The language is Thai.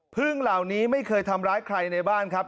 พึ่งเหล่านี้ไม่เคยทำร้ายใครในบ้านครับ